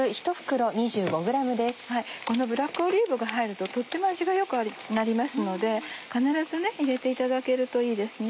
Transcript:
このブラックオリーブが入るととっても味が良くなりますので必ず入れていただけるといいですね。